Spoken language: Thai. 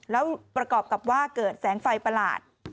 แล้วประกอบกับว่าเกิดแสงไฟประหลาด